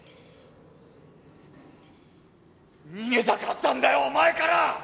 逃げたかったんだよお前から！！